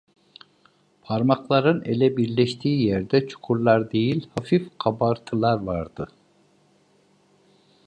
Parmakların ele bitiştiği yerde çukurlar değil, hafif kabartılar vardı.